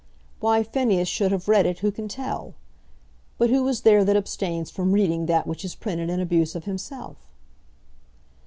Why Phineas should have read it who can tell? But who is there that abstains from reading that which is printed in abuse of himself?